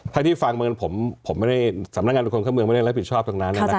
ถ้าที่ฟังเมืองผมสำนักงานทุกคนเข้าเมืองไม่ได้แล้วรัฐผิดชอบตรงนั้น